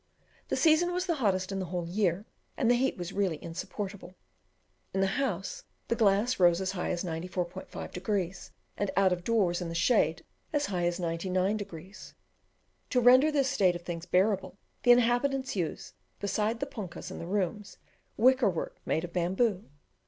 The season was the hottest in the whole year, and the heat was really insupportable. In the house, the glass rose as high as 94.5 degrees, and out of doors, in the shade, as high as 99 degrees. To render this state of things bearable, the inhabitants use, besides the punkas in the rooms, wicker work made of bamboo.